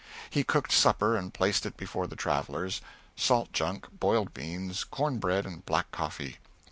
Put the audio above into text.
He cooked supper and placed it before the travellers salt junk, boiled beans, corn bread and black coffee.